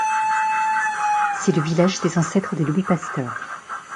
C'est le village des ancêtres de Louis Pasteur.